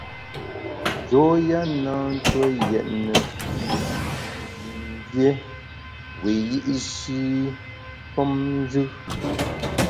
Njoya na ntue yètne yin dié wiyi’shi femnjù.